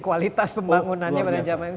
kualitas pembangunannya pada zaman